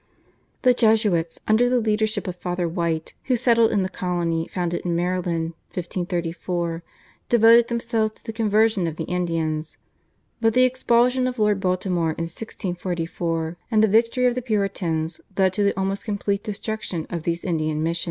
The Jesuits, under the leadership of Father White, who settled in the colony founded in Maryland (1534), devoted themselves to the conversion of the Indians, but the expulsion of Lord Baltimore in 1644 and the victory of the Puritans led to the almost complete destruction of these Indian missions.